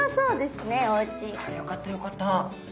ああよかったよかった。